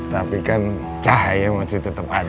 tapi kan cahaya masih tetap ada